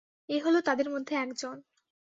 এ হলো তাদের মধ্যে একজন।